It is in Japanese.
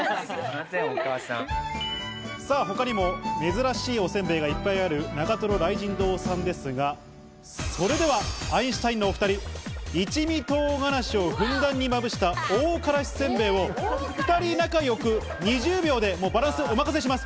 他にも珍しいお煎餅がいっぱいある長瀞雷神堂さんですが、それではアインシュタインのお２人、一味唐辛子をふんだんにまぶしたを大辛子煎餅を２人仲良く２０秒で食リポお願いします。